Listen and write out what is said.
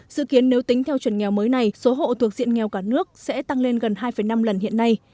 dự kiến nếu tính theo chuẩn nghèo mới này số hộ thuộc diện nghèo cả nước sẽ tăng lên gần hai năm lần hiện nay